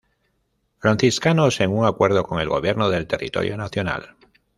Franciscanos en un acuerdo con el gobierno del territorio nacional.